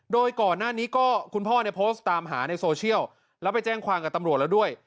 โดยก่อนหน้านี้ก็คุณพ่อเนี่ยโพสต์ตามหาในโซเชียลแล้วไปแจ้งความกับตำรวจแล้วด้วย